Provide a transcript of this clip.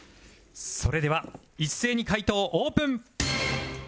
それでは一斉に解答オープン！